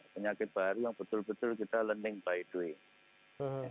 penyakit baru yang betul betul kita learning by doing